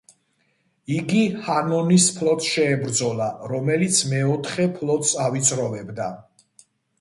იგი ჰანონის ფლოტს შეებრძოლა, რომელიც მეოთხე ფლოტს ავიწროვებდა.